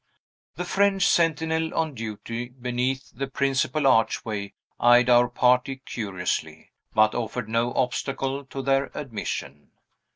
The French sentinel on duty beneath the principal archway eyed our party curiously, but offered no obstacle to their admission.